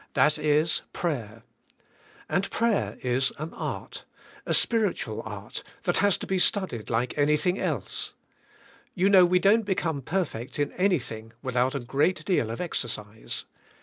That is fray er I And prayer is an art, a spiritual art that has to be studied like anything else. You know we don't become perfect in anything without a great deal of exercise.